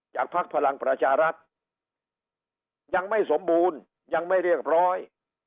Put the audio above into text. พักพลังประชารัฐยังไม่สมบูรณ์ยังไม่เรียบร้อย